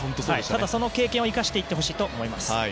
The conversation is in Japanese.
ただ、その経験を生かしていってほしいです。